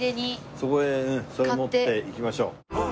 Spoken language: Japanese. そこへうんそれ持って行きましょう。